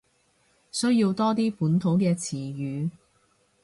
需要多啲本土嘅詞語